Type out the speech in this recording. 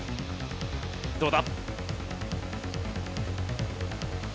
どうだ？